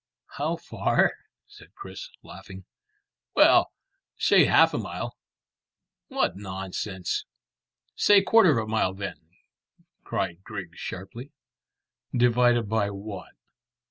"How far?" said Chris, laughing. "Well, say half a mile." "What nonsense!" "Say quarter of a mile then," cried Griggs sharply. "Divided by what?"